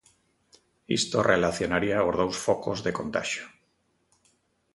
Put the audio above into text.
Isto relacionaría os dous focos de contaxio.